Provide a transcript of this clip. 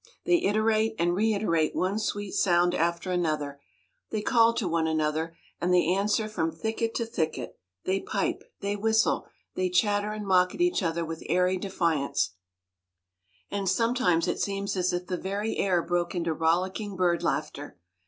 They iterate and reiterate one sweet sound after another; they call to one another, and answer from thicket to thicket; they pipe; they whistle; they chatter and mock at each other with airy defiance: and sometimes it seems as if the very air broke into rollicking bird laughter.